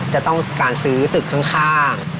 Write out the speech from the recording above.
จะต้องการซื้อตึกข้าง